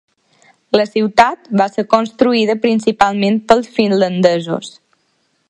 La ciutat va ser construïda principalment pels finlandesos.